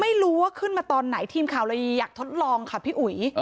ไม่รู้ว่าขึ้นมาตอนไหนทีมข่าวเลยอยากทดลองค่ะพี่อุ๋ย